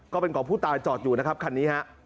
ก็เป็นของผู้ตายจอดอยู่นะครับคันนี้ฮะ